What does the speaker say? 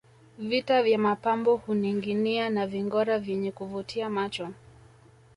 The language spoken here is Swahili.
Vito vya mapambo huninginia na vingora vyenye kuvutia macho